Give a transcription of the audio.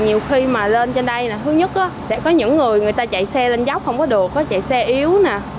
nhiều khi mà lên trên đây là thứ nhất sẽ có những người người ta chạy xe lên dốc không có được chạy xe yếu nè